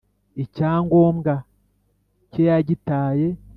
icyangombwa ke yagitaye